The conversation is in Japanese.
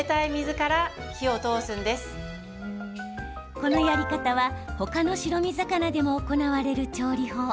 このやり方は白身魚でも行われる調理法。